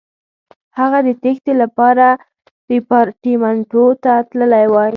هغه د تېښتې لپاره ریپارټیمنټو ته تللی وای.